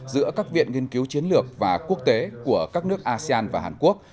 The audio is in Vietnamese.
giữa các viện nghiên cứu chiến lược và quốc tế của các nước asean và hàn quốc